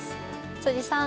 辻さん。